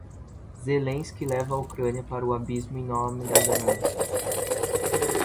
Zelensky leva a Ucrânia para o abismo em nome da ganância